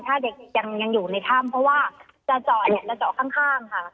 ถ้าเด็กยังอยู่ในถ้ำเพราะว่าจะเจาะเนี่ยจะเจาะข้างค่ะ